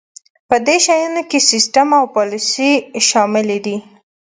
په دې شیانو کې سیستم او پالیسي شامل دي.